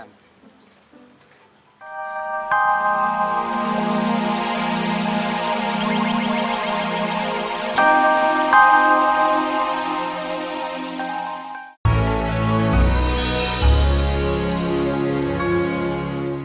sampai jumpa lagi